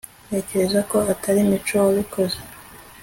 ntekereza ko atari mico wabikoze